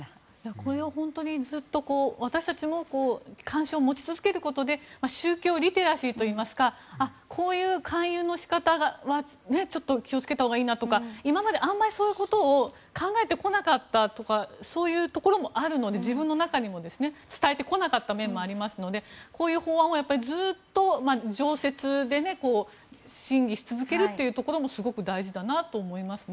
これは本当にずっと私たちも関心を持ちつづることで宗教リテラシーといいますかこういう勧誘の仕方はちょっと気を付けたほうがいいなとか今まであまりそういうことを考えてこなかったというかそういうところもあるので自分の中にも伝えてこなかった面もありますので、こういう法案は常設で、審議し続けることもすごく大事だなと思います。